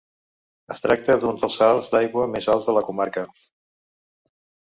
Es tracta d'un dels salts d'aigua més alts de la comarca.